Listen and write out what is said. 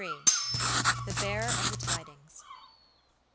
THE BEARER OF THE TIDINGS.